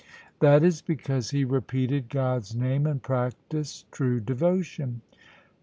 That is because he repeated God's name and practised true devotion.